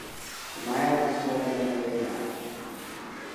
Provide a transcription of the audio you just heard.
The male is smaller than female.